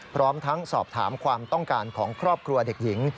พร้อมทั้งสอบถามความต้องการของครอบครัวเด็กหญิง